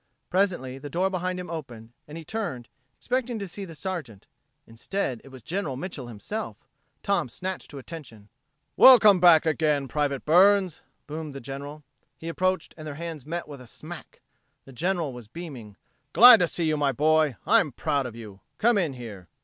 Presently the door behind him opened, and he turned, expecting to see the Sergeant. Instead, it was General Mitchel himself. Tom snapped to attention. "Welcome back again, Private Burns," boomed the General. He approached and their hands met with a smack! The General was beaming. "Glad to see you, boy. I'm proud of you. Come in here."